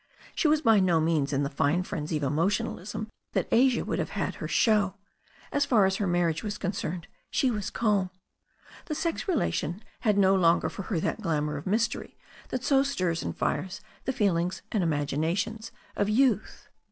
She was hy no means in the fine frenzy of emotionalism that Asia would have had her show; as far as her marriage was concerned she was calm. The sex relation had no longer for her that glamour of mystery that so stirs and fires the feelings and imaginations of youth.